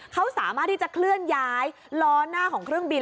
เขาสามารถที่จะเคลื่อนย้ายล้อหน้าของเครื่องบิน